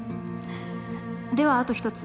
ではあと一つ。